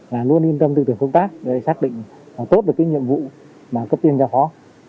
luôn yên tâm tư tưởng công tác để xác định tốt được cái nhiệm vụ cấp tiền cho phó